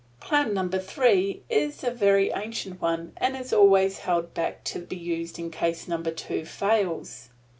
Plan Number Three is a very ancient one and is always held back to be used in case Number Two fails.